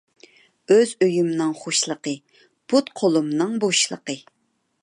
ئۆز ئۆيۈمنىڭ خۇشلىقى، پۇت قۇلۇمنىڭ بوشلىقى.